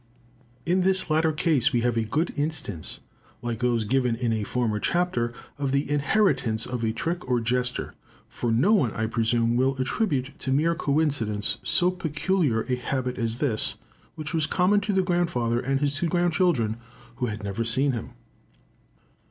In this latter case we have a good instance, like those given in a former chapter, of the inheritance of a trick or gesture; for no one, I presume, will attribute to mere coincidence so peculiar a habit as this, which was common to the grandfather and his two grandchildren who had never seen him.